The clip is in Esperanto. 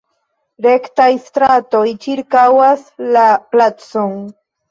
Rektaj stratoj ĉirkaŭas la placon.